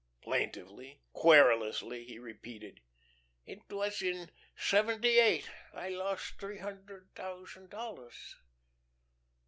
Plaintively, querulously he repeated: "It was in seventy eight.... I lost three hundred thousand dollars."